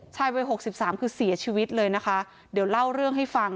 วัยหกสิบสามคือเสียชีวิตเลยนะคะเดี๋ยวเล่าเรื่องให้ฟัง